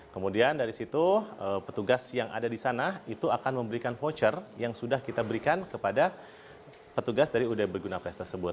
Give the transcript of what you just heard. kemudian dari situ petugas yang ada di sana itu akan memberikan voucher yang sudah kita berikan kepada petugas dari udb berguna pres tersebut